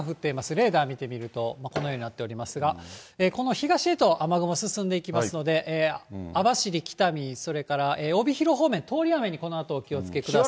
レーダー見てみると、このようになっておりますが、この東へと雨雲、進んでいきますので、網走、北見、それから帯広方面、通り雨にこのあとお気をつけください。